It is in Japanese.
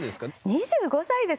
２５歳ですよ？